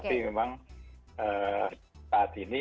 tapi memang saat ini